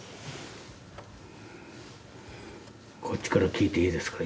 こっちから聞いていいですか？